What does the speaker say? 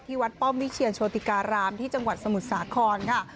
วัดป้อมวิเชียรโชติการามที่จังหวัดสมุทรสาครค่ะ